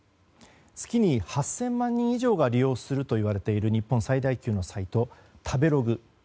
月に８０００万人以上が利用するとされている日本最大級のサイト食べログ。